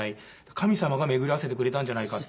神様が巡り合わせてくれたんじゃないかって。